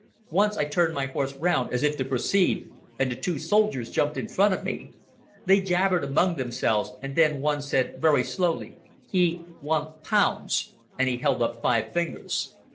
Once I turned my horse round as if to proceed, and the two soldiers jumped in front of me. They jabbered among themselves, and then one said very slowly: "He ... want ... pounds," and he held up five fingers.